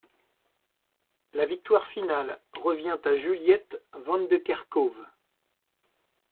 La victoire finale revient à Juliette Vandekerckhove.